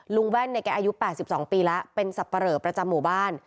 ลุงแว่นในแก่อายุ๘๒ปีแล้วเป็นสัปเตอร์ประจำหมู่บ้าน